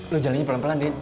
lo jalaninnya pelan pelan din